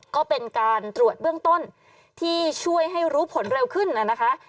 ก็เป็นการตรวจเบื้องต้นที่ช่วยให้รู้ผลเร็วขึ้นนะคะ